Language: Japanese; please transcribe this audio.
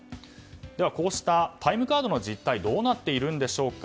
ではこうしたタイムカードの実態どうなっているんでしょうか。